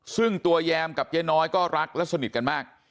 ซึ่งตัวแยมกับเจ๊น้อยก็รักและสนิทกันมาก